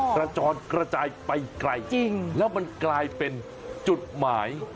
กระจอนกระจายไปไกลจริงแล้วมันกลายเป็นจุดหมาย